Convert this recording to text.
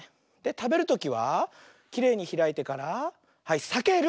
たべるときはきれいにひらいてからはい「さける！」。